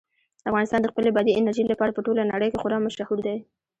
افغانستان د خپلې بادي انرژي لپاره په ټوله نړۍ کې خورا مشهور دی.